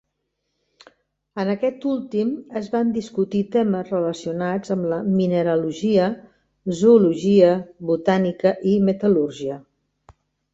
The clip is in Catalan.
En aquest últim es van discutir temes relacionats amb la mineralogia, zoologia, botànica, i metal·lúrgia.